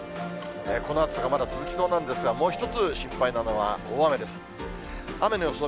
この暑さがまだ続きそうなんですが、もう一つ心配なのは大雨です。